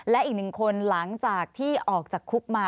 และอีกหนึ่งคนหลังจากที่ออกจากคุกมา